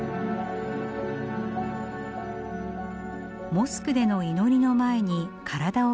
モスクでの祈りの前に体を清める